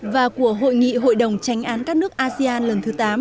và của hội nghị hội đồng tránh án các nước asean lần thứ tám